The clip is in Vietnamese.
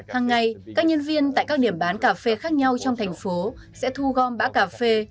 hàng ngày các nhân viên tại các điểm bán cà phê khác nhau trong thành phố sẽ thu gom bã cà phê